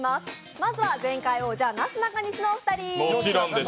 まずは前回王者、なすなかにしのお二人。